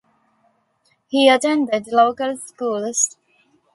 He attended local schools.